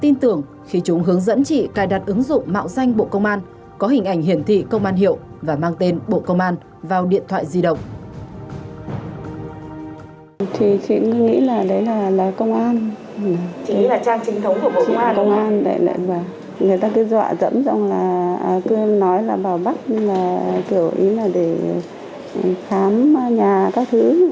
người ta cứ dọa dẫm cứ nói là bảo bắt kiểu ý là để khám nhà các thứ